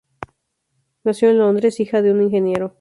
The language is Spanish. Nació en Londres, hija de un ingeniero.